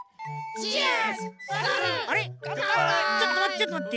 ちょっとまって。